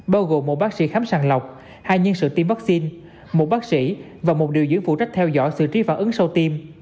bao gồm một bác sĩ khám sàng lọc hai nhân sự tiêm vaccine một bác sĩ và một điều diễn phụ trách theo dõi sự trí phản ứng sâu tiêm